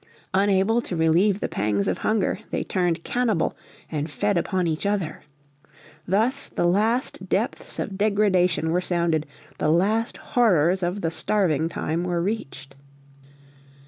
Unable to relieve the pangs of hunger, they turned cannibal and fed upon each other. Thus the last depths of degradation were sounded, the last horrors of the Starving Time were reached.